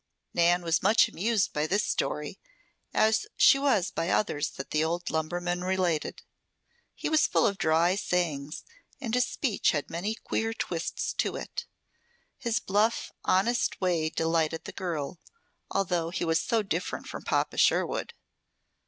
Nan was much amused by this story, as she was by others that the old lumberman related. He was full of dry sayings and his speech had many queer twists to it. His bluff, honest way delighted the girl, although he was so different from Papa Sherwood.